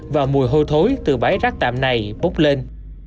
và mùi hôi thối từ bãi rác tạm này bốc lên